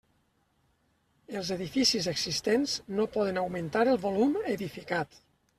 Els edificis existents no poden augmentar el volum edificat.